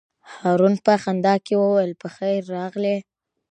هارون په خندا کې وویل: په خیر راغلې.